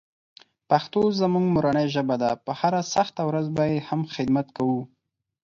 پښتو زموږ مورنۍ ژبه ده، په هره سخته ورځ به یې هم خدمت کوو.